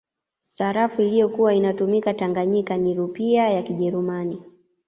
Sarafu iliyokuwa inatumika Tanganyika ni Rupia ya Kijerumani